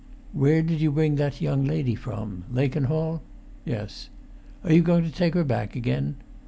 "Where did you bring that young lady from? Lakenhall?" "Yes." "And are you going to take her back again?"